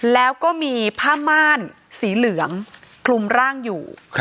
แล้วก็มีผ้าม่านสีเหลืองคลุมร่างอยู่